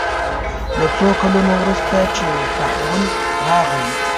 له څو کلونو وروسته چې تحول راغلی.